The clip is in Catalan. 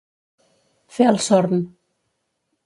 Fer el sorn.